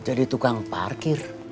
jadi tukang parkir